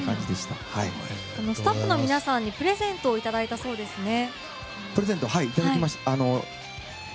スタッフの皆さんにプレゼントをいただいたそうですね。